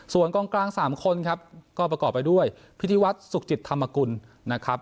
ส่วนกองกลาง๓คนครับก็ประกอบไปด้วยพิธีวัฒน์สุขจิตธรรมกุลนะครับ